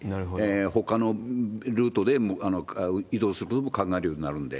ほかのルートで移動することも考えるようになるんで。